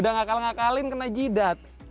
udah ngakal ngakalin kena jidat